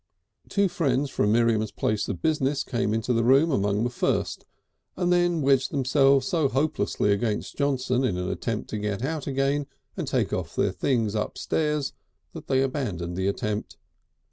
The two friends from Miriam's place of business came into the room among the first, and then wedged themselves so hopelessly against Johnson in an attempt to get out again and take off their things upstairs that they abandoned the attempt.